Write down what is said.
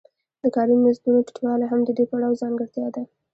د کاري مزدونو ټیټوالی هم د دې پړاو ځانګړتیا ده